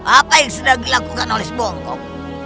apa yang sedang dilakukan oleh bongkok